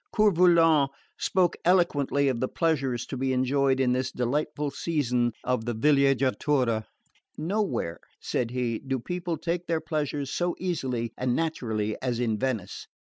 Coeur Volant spoke eloquently of the pleasures to be enjoyed in this delightful season of the villeggiatura. "Nowhere," said he, "do people take their pleasures so easily and naturally as in Venice.